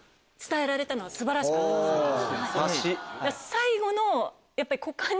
最後の。